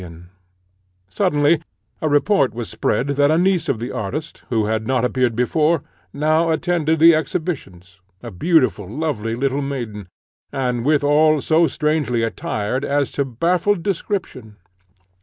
On a sudden a report was spread that a niece of the artist, who had not appeared before, now attended the exhibitions a beautiful, lovely little maiden, and withal so strangely attired as to baffle description.